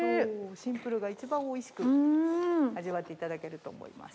シンプルが一番おいしく味わっていただけると思います。